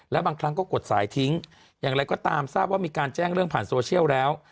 แล้วบางครั้งก็กดสายทิ้งอย่างไรก็ตามทราบว่ามีการแจ้งเรื่องผ่านโซเชียลแล้ว